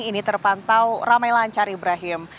ini terpantau ramai lancar ibrahim